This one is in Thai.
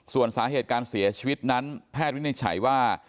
ส่วนสาเหตุการเสียชีวิตนั้นแพทย์วินิจฉัยว่า